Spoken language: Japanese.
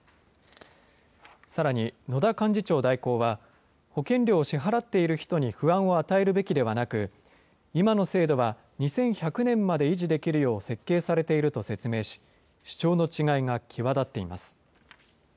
さらに、野田幹事長代行は、保険料を支払っている人に不安を与えるべきではなく、今の制度は２１００年まで維持できるよう設計されていると説明し、主張の違いが際立っています。